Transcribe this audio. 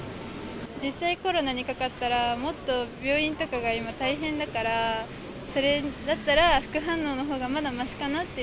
実際、コロナにかかったら、もっと病院とかが今、大変だから、それだったら副反応のほうがまだましかなって。